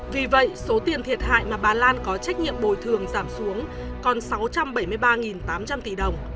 vì vậy số tiền thiệt hại mà bà lan có trách nhiệm bồi thường giảm xuống còn sáu trăm bảy mươi ba tám trăm linh tỷ đồng